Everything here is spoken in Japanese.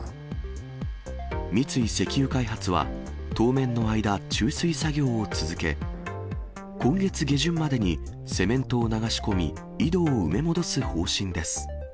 三井石油開発は、当面の間、注水作業を続け、今月下旬までにセメントを流し込み、井戸を埋め戻す方針です。